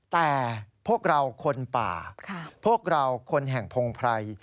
แต่พวกเราคนป่าพวกเราคนแห่งพงไพร